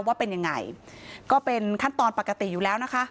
ว่าเป็นยังไงก็เป็นขั้นตอนปกติอยู่แล้วนะคะ